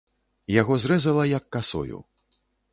Яго зрэзала, як касою.